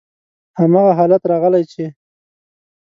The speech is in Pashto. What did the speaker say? هماغه حالت راغلی چې: